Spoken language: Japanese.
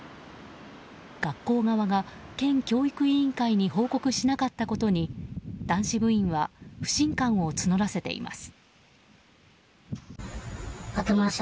学校側が県教育委員会に報告しなかったことに男子部員は不信感を募らせています。